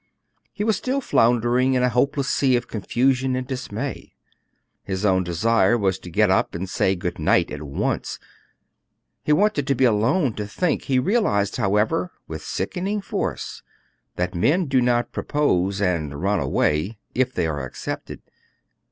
He was still floundering in a hopeless sea of confusion and dismay. His own desire was to get up and say good night at once. He wanted to be alone to think. He realized, however, with sickening force, that men do not propose and run away if they are accepted.